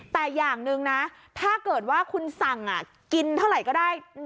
แต่อย่างหนึ่งนะถ้าเกิดว่าคุณสั่งกินเท่าไหร่ก็ได้